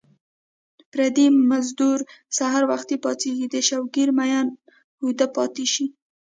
پردی مزدور سحر وختي پاڅېږي د شوګیرو مین اوده پاتې شي